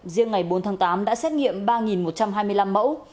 riêng ngày bốn tháng tám đã xét nghiệm ba một trăm hai mươi năm mẫu